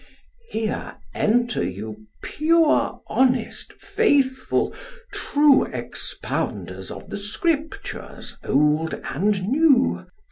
Here enter you, pure, honest, faithful, true Expounders of the Scriptures old and new.